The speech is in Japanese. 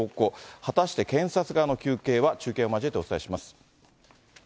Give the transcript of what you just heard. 果たして、検察側の求刑は、中継を交えてお伝えします。